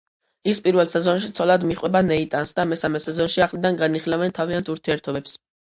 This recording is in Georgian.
ის პირველ სეზონში ცოლად მიყვება ნეიტანს და მესამე სეზონში ახლიდან განიხილავენ თავიანთ ურთიერთობებს.